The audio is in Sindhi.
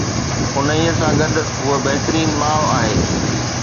انهي سان گڏ، هوء بهترين ماء آهي